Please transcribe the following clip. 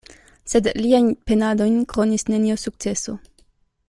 Sed liajn penadojn kronis neniu sukceso.